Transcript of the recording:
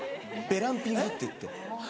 ベランピングっていって。